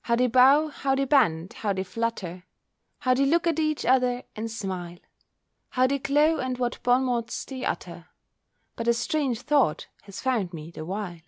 How they bow, how they bend, how they flutter, How they look at each other and smile, How they glow, and what bon mots they utter! But a strange thought has found me the while!